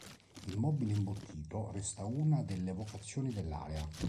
Il mobile imbottito resta una delle vocazioni dell'area.